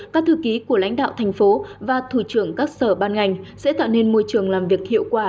các thư ký của lãnh đạo thành phố và thủ trưởng các sở ban ngành sẽ tạo nên môi trường làm việc hiệu quả